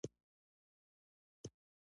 په هغه وخت کې د کابل واکمن امیر دوست محمد و.